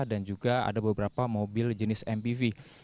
dan juga ada beberapa mobil yang keluar dari jawa tengah jawa timur